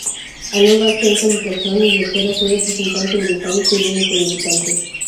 Al no darse esa situación, Inglaterra fue el representante británico y único debutante.